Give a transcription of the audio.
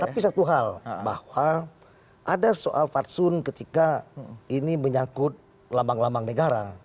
tapi satu hal bahwa ada soal fatsun ketika ini menyangkut lambang lambang negara